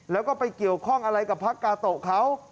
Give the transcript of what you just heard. แล้วก็ไปเกี่ยวข้องอะไรกับพระกาโตะเขา